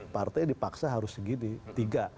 partai dipaksa harus segini tiga